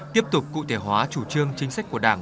tiếp tục cụ thể hóa chủ trương chính sách của đảng